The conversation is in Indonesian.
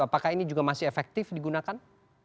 apakah ini juga masih efektif digunakan